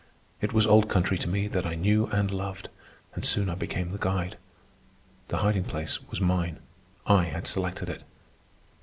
It was old country to me that I knew and loved, and soon I became the guide. The hiding place was mine. I had selected it.